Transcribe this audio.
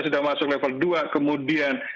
sudah masuk level dua kemudian